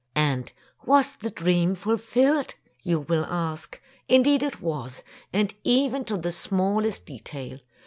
"And was the dream fulfilled .?" you will ask. Indeed it was, and even to the smallest detail!